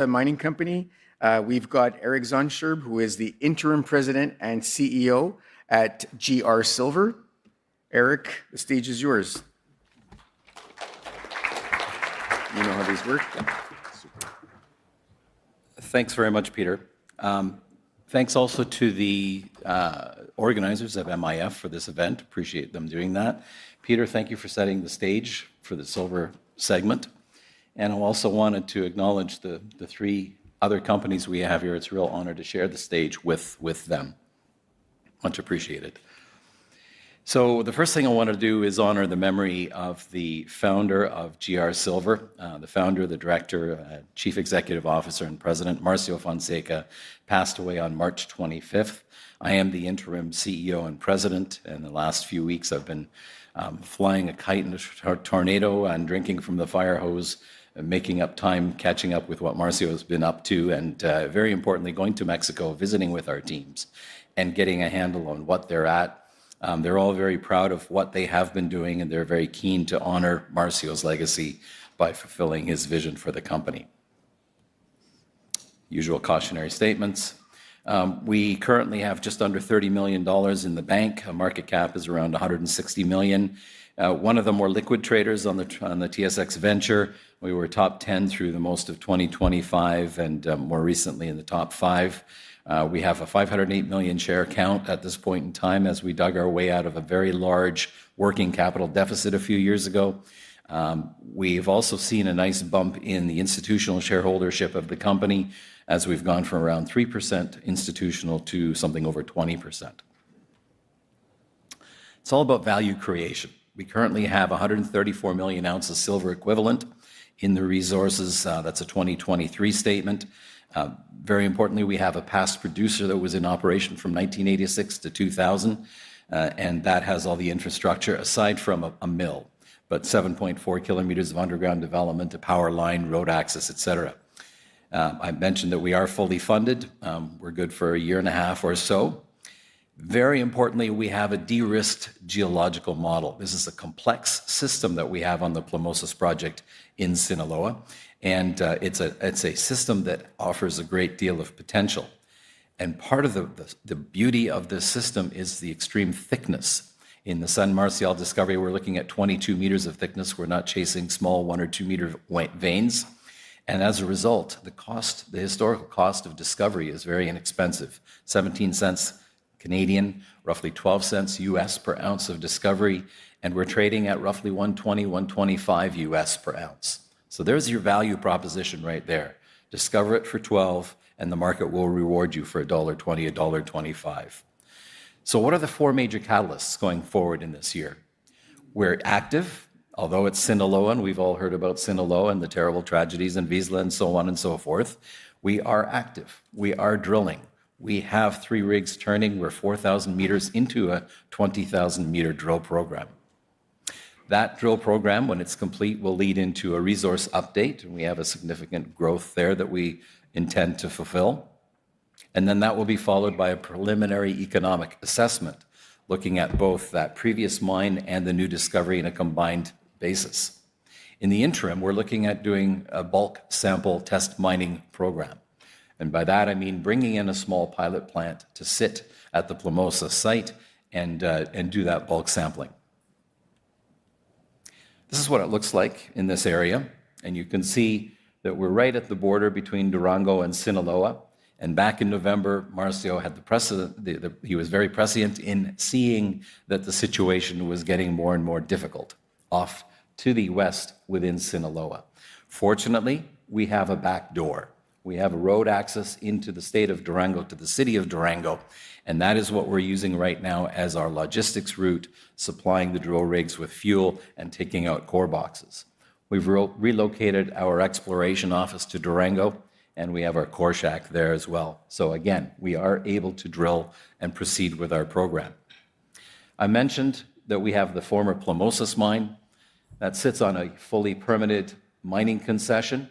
The mining company. We've got Eric Zaunscherb, who is the Interim President and CEO at GR Silver. Eric, the stage is yours. You know how these work? Yep. Super. Thanks very much, Peter. Thanks also to the organizers of MIF for this event. Appreciate them doing that. Peter, thank you for setting the stage for the silver segment. I also wanted to acknowledge the three other companies we have here. It's a real honor to share the stage with them. Much appreciated. The first thing I wanna do is honor the memory of the Founder of GR Silver, the Founder, the Director, Chief Executive Officer and President, Marcio Fonseca, passed away on March 25th. I am the Interim CEO and President, the last few weeks I've been flying a kite in a tornado and drinking from the fire hose and making up time, catching up with what Marcio has been up to, very importantly, going to Mexico, visiting with our teams and getting a handle on what they're at. They're all very proud of what they have been doing, and they're very keen to honor Marcio's legacy by fulfilling his vision for the company. Usual cautionary statements. We currently have just under 30 million dollars in the bank. Our market cap is around 160 million. One of the more liquid traders on the TSX Venture. We were top 10 through the most of 2025 and more recently in the top five. We have a 508 million share count at this point in time as we dug our way out of a very large working capital deficit a few years ago. We've also seen a nice bump in the institutional shareholdership of the company as we've gone from around 3% institutional to something over 20%. It's all about value creation. We currently have 134 million oz silver equivalent in the resources. That's a 2023 statement. Very importantly, we have a past producer that was in operation from 1986 to 2000, and that has all the infrastructure aside from a mill, but 7.4 km of underground development, a power line, road access, et cetera. I mentioned that we are fully funded. We're good for a year and a half or so. Very importantly, we have a de-risked geological model. This is a complex system that we have on the Plomosas project in Sinaloa, and it's a system that offers a great deal of potential. Part of the beauty of this system is the extreme thickness. In the San Marcial discovery, we're looking at 22 m of thickness. We're not chasing small 1 or 2-meter veins. As a result, the historical cost of discovery is very inexpensive. 0.17, roughly $0.12 per ounce of discovery, and we're trading at roughly $1.20, $1.25 per ounce. There's your value proposition right there. Discover it for $0.12, and the market will reward you for $1.20, $1.25. What are the four major catalysts going forward in this year? We're active. Although it's Sinaloa, we've all heard about Sinaloa and the terrible tragedies in Vizsla and so on and so forth, we are active. We are drilling. We have three rigs turning. We're 4,000 m into a 20,000 m drill program. That drill program, when it's complete, will lead into a resource update, and we have a significant growth there that we intend to fulfill. That will be followed by a preliminary economic assessment, looking at both that previous mine and the new discovery in a combined basis. In the interim, we're looking at doing a bulk sample test mining program. By that, I mean bringing in a small pilot plant to sit at the Plomosas site and do that bulk sampling. This is what it looks like in this area, and you can see that we're right at the border between Durango and Sinaloa. Back in November, Marcio was very prescient in seeing that the situation was getting more and more difficult off to the west within Sinaloa. Fortunately, we have a back door. We have a road access into the state of Durango, to the city of Durango, and that is what we're using right now as our logistics route, supplying the drill rigs with fuel and taking out core boxes. We've relocated our exploration office to Durango, and we have our core shack there as well. Again, we are able to drill and proceed with our program. I mentioned that we have the former Plomosas mine. That sits on a fully permitted mining concession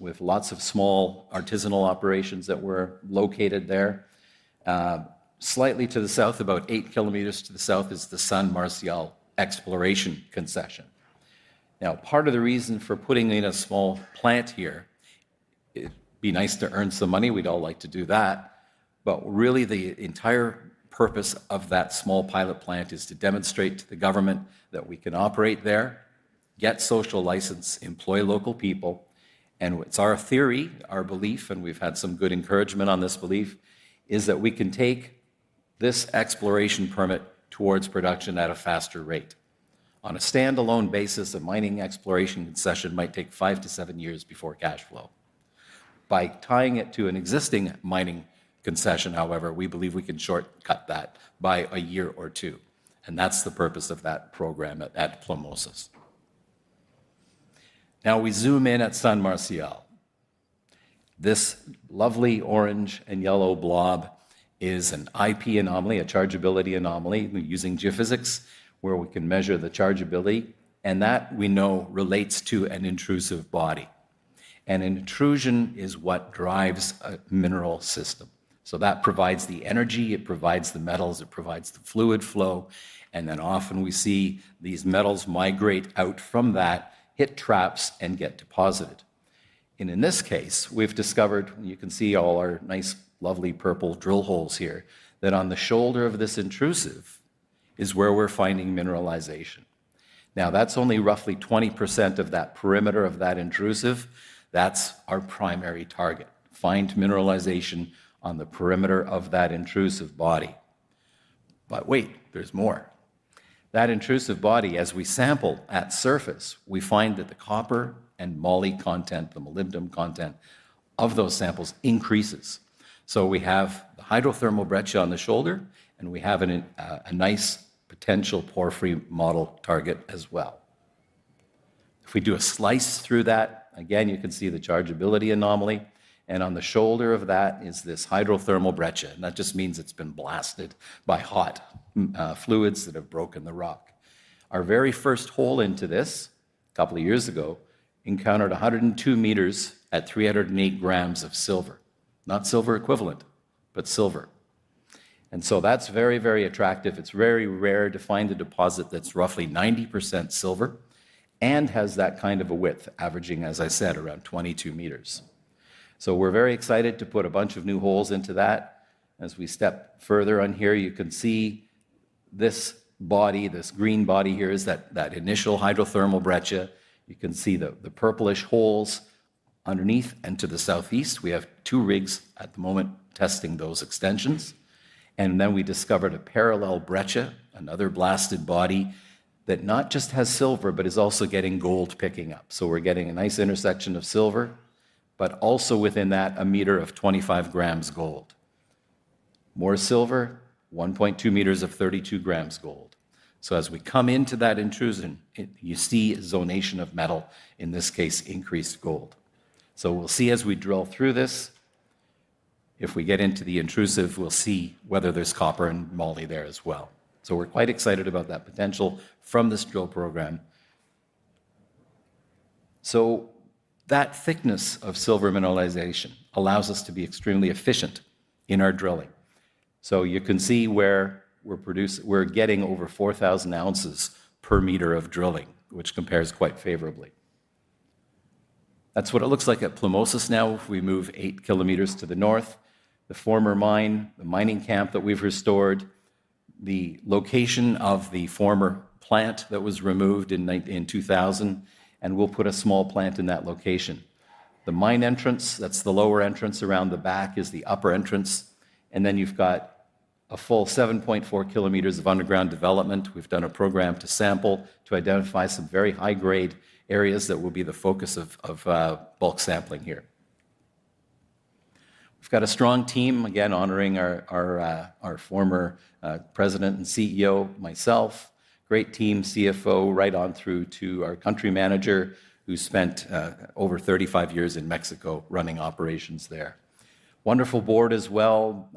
with lots of small artisanal operations that were located there. Slightly to the south, about 8 km to the south, is the San Marcial exploration concession. Now, part of the reason for putting in a small plant here, it'd be nice to earn some money, we'd all like to do that, but really the entire purpose of that small pilot plant is to demonstrate to the government that we can operate there, get social license, employ local people, and it's our theory, our belief, and we've had some good encouragement on this belief, is that we can take this exploration concession towards production at a faster rate. On a standalone basis, a mining exploration concession might take five to seven years before cash flow. By tying it to an existing mining concession, however, we believe we can shortcut that by a year or two, and that's the purpose of that program at Plomosas. Now we zoom in at San Marcial. This lovely orange and yellow blob is an IP anomaly, a chargeability anomaly. We're using geophysics where we can measure the chargeability, that we know relates to an intrusive body. An intrusion is what drives a mineral system. That provides the energy, it provides the metals, it provides the fluid flow, and then often we see these metals migrate out from that, hit traps, and get deposited. In this case, we've discovered, you can see all our nice lovely purple drill holes here, that on the shoulder of this intrusive is where we're finding mineralization. Now, that's only roughly 20% of that perimeter of that intrusive. That's our primary target, find mineralization on the perimeter of that intrusive body. Wait, there's more. That intrusive body, as we sample at surface, we find that the copper and moly content, the molybdenum content of those samples increases. We have the hydrothermal breccia on the shoulder, and we have an nice potential porphyry model target as well. If we do a slice through that, again you can see the chargeability anomaly, and on the shoulder of that is this hydrothermal breccia, and that just means it's been blasted by hot fluids that have broken the rock. Our very first hole into this, a couple of years ago, encountered 102 m at 308 g of silver. Not silver equivalent, but silver. That's very, very attractive. It's very rare to find a deposit that's roughly 90% silver and has that kind of a width, averaging, as I said, around 22 meters. We're very excited to put a bunch of new holes into that. As we step further on here, you can see this body, this green body here is that initial hydrothermal breccia. You can see the purplish holes underneath and to the southeast. We have two rigs at the moment testing those extensions. We discovered a parallel breccia, another blasted body, that not just has silver, but is also getting gold picking up. We're getting a nice intersection of silver, but also within that, a meter of 25 g gold. More silver, 1.2 m of 32 g gold. As we come into that intrusion, you see zonation of metal, in this case, increased gold. We'll see as we drill through this, if we get into the intrusive, we'll see whether there's copper and moly there as well. We're quite excited about that potential from this drill program. That thickness of silver mineralization allows us to be extremely efficient in our drilling. You can see where we're getting over 4,000 oz per meter of drilling, which compares quite favorably. That's what it looks like at Plomosas now if we move 8 km to the north. The former mine, the mining camp that we've restored, the location of the former plant that was removed in 2000, and we'll put a small plant in that location. The mine entrance, that's the lower entrance. Around the back is the upper entrance. You've got a full 7.4 km of underground development. We've done a program to sample to identify some very high-grade areas that will be the focus of bulk sampling here. We've got a strong team, again honoring our former President and CEO, myself, great team CFO, right on through to our country manager, who spent over 35 years in Mexico running operations there. Wonderful board as well,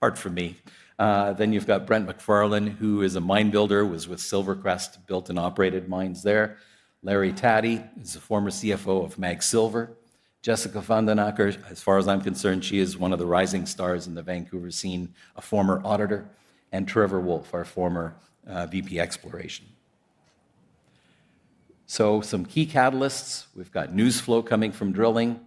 apart from me. You've got Brent McFarlane, who is a mine builder, was with SilverCrest, built and operated mines there. Larry Taddei is a former CFO of MAG Silver. Jessica Van Den Akker, as far as I'm concerned, she is one of the rising stars in the Vancouver scene, a former auditor, and Trevor Woolfe, our former VP exploration. Some key catalysts. We've got news flow coming from drilling.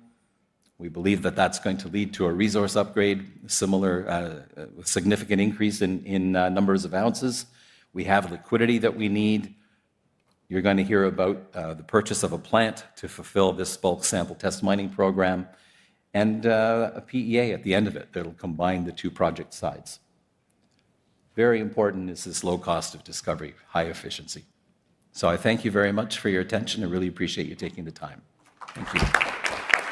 We believe that that's going to lead to a resource update, similar, significant increase in numbers of ounces. We have liquidity that we need. You're gonna hear about the purchase of a plant to fulfill this bulk sample test mining program and a PEA at the end of it that'll combine the two project sites. Very important is this low cost of discovery, high efficiency. I thank you very much for your attention. I really appreciate you taking the time. Thank you.